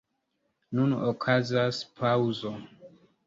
Nun okazas paŭzo.